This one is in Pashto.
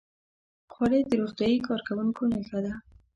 خولۍ د روغتیايي کارکوونکو نښه ده.